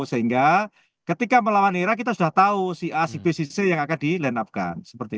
sehingga ketika melawan era kita sudah tahu si a si b si c yang akan dilan upkan